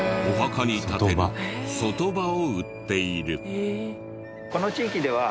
お墓に立てる卒塔婆を売っている。